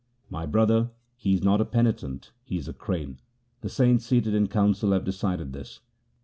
My brother, he is not a penitent ; he is a crane ; the saints seated in council have decided this.